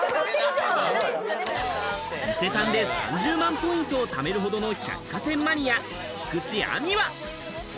伊勢丹で３０万ポイントをためるほどの百貨店マニア菊地亜美は？